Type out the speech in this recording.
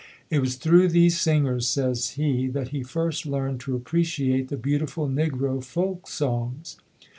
It was through these sing 146 ] UNSUNG HEROES ers, says he, that he first learned to appreciate the beautiful Negro folk songs.